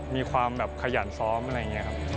มีความแบบขยันซ้อมอะไรอย่างนี้ครับ